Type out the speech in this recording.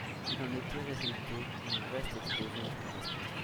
Il en était résulté une vaste explosion protestante.